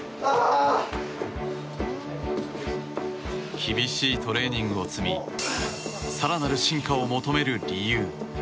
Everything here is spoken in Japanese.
厳しいトレーニングを積み更なる進化を求める理由。